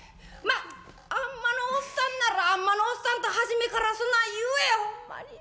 あん摩のおっさんならあん摩のおっさんと初めからそない言えほんまに。